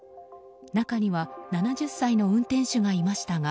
中には７０歳の運転手がいましたが